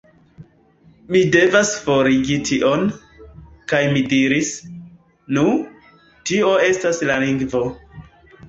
Vi devas forigi tion" kaj mi diris, "Nu, tio estas la lingvo.